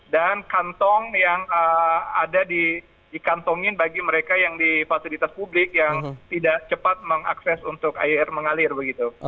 dan kantong yang ada dikantongin bagi mereka yang di fasilitas publik yang tidak cepat mengakses untuk air mengalir begitu